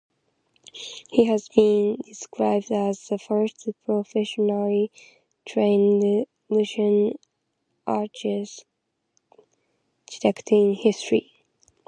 He has been described as "the first professionally trained Russian architect in history".